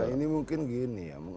ini mungkin gini ya